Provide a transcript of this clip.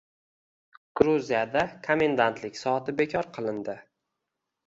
Gruziyada komendantlik soati bekor qilindi